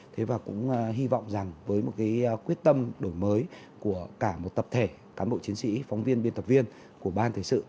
thế và cũng hy vọng rằng với một cái quyết tâm đổi mới của cả một tập thể cán bộ chiến sĩ phóng viên biên tập viên của ban thời sự